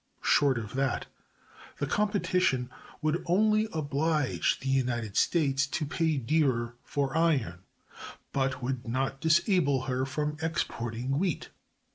Short of that, the competition would only oblige the United States to pay dearer for iron, but would not disable her from exporting wheat.